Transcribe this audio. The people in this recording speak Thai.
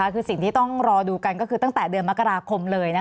คือสิ่งที่ต้องรอดูกันก็คือตั้งแต่เดือนมกราคมเลย